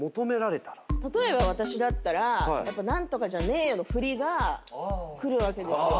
例えば私だったら「何とかじゃねえよ」の振りがくるわけですよ。